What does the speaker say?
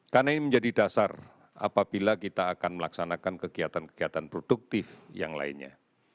karena ini menjadi dasar apabila kita akan melaksanakan kegiatan kegiatan produktif yang lainnya